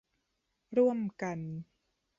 ร่วมกัน